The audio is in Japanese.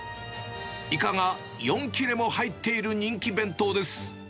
イカが４切れも入っている人気弁当です。